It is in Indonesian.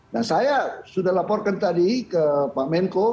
nah saya sudah laporkan tadi ke pak menko